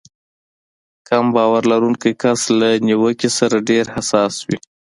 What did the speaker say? کم باور لرونکی کس له نيوکې سره ډېر حساس وي.